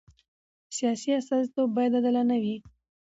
سیاسي استازیتوب باید عادلانه وي